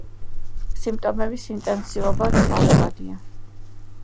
სიმპტომების ინტენსივობა ცვალებადია.